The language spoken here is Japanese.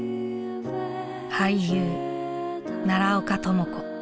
俳優奈良岡朋子。